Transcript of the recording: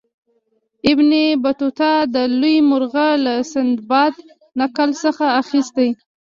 ابن بطوطه دا لوی مرغه له سندباد نکل څخه اخیستی.